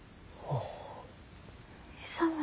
ああ。